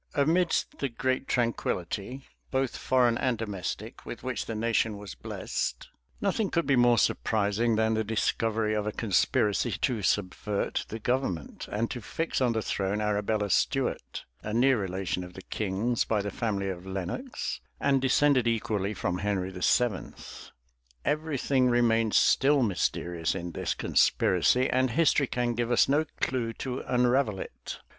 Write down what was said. [*] Amidst the great tranquillity, both foreign and domestic with which the nation was blest, nothing could be more surprising than the discovery of a conspiracy to subvert the government, and to fix on the throne Arabella Stuart, a near relation of the king's by the family of Lenox, and descended equally from Henry VII. Every thing remains still mysterious in this conspiracy; and history can give us no clew to unravel it.